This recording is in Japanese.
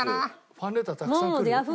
ファンレターたくさん来る？